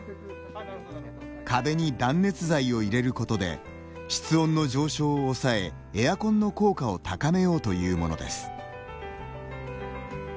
壁に断熱材を入れることで室温の上昇を抑えエアコンの効果を高めようというものです。